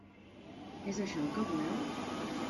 És això el que voleu?